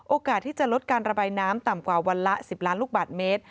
โอกาสที่จะลดการระบายน้ำต่ำกว่าวันละ๑๐ล้านลูกบาทเมตร